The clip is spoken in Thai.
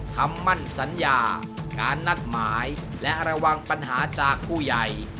คำมั่นสัญญาการนัดหมายและระวังปัญหาจากผู้ใหญ่